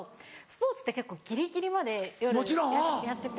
スポーツって結構ギリギリまで夜やってて。